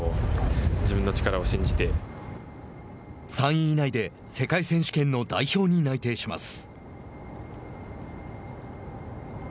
３位以内で世界選手権の代表に内定します。